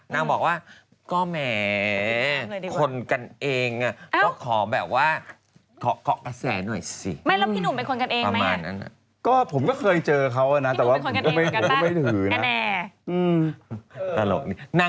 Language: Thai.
นางบอกว่า